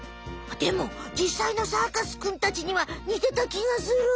でもじっさいのサーカスくんたちにはにてたきがする。